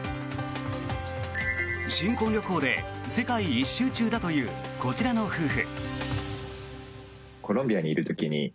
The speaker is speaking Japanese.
新婚旅行で世界一周中だというこちらの夫婦。